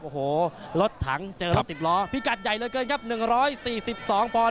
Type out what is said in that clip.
โอ้โหรถถังเจอรถสิบล้อพี่กัดใหญ่เลยเกินครับหนึ่งร้อยสี่สิบสองพล